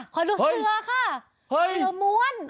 ขอดูเสือค่ะเสือม้วน